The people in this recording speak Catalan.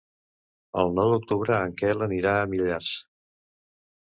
El nou d'octubre en Quel anirà a Millars.